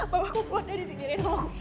bapak aku keluar dari sini reno